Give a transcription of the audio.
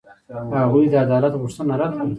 هغوی د عدالت غوښتنه رد کړه.